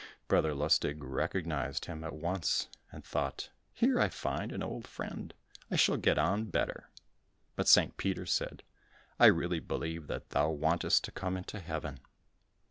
Brother Lustig recognised him at once, and thought, "Here I find an old friend, I shall get on better." But St. Peter said, "I really believe that thou wantest to come into Heaven."